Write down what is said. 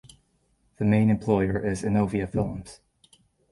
The main employer is Innovia Films.